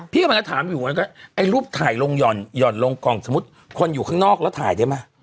พี่กำลังจะถามอยู่ไอ้รูปถ่ายลงหย่อนห่อนลงกล่องสมมุติคนอยู่ข้างนอกแล้วถ่ายได้ไหม